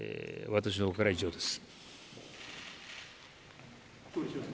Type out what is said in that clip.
私の方から以上です。